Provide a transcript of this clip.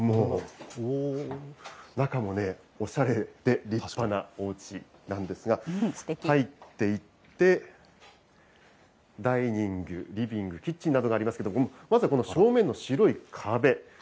中もおしゃれで立派なおうちなんですが、入っていって、ダイニング、リビング、キッチンなどがありますけれども、まずこの正面の白い壁。